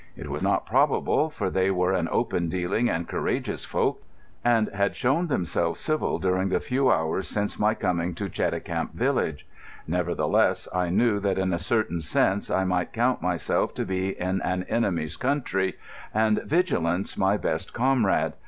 It was not probable, for they were an open dealing and courageous folk, and had shown themselves civil during the few hours since my coming to Cheticamp village. Nevertheless, I knew that in a certain sense I might count myself to be in an enemy's country, and vigilance my best comrade.